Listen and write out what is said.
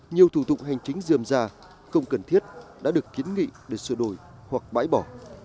nhiều thủ tục hành chính dườm ra không cần thiết đã được kiến nghị để sửa đổi hoặc bãi bỏ